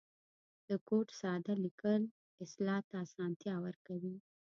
د کوډ ساده لیکل اصلاح ته آسانتیا ورکوي.